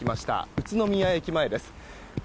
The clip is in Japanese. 宇都宮駅前です。